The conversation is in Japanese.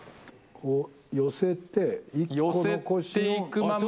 こう寄せて１個残しの。